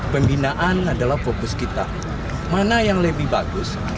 pembinaan adalah fokus kita mana yang lebih bagus